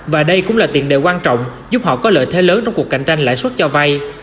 và đây cũng là tiền đề quan trọng giúp họ có lợi thế lớn trong cuộc cạnh tranh lãi suất cho vay